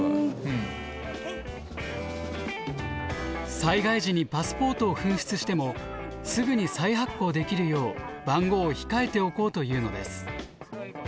災害時にパスポートを紛失してもすぐに再発行できるよう番号を控えておこうというのです。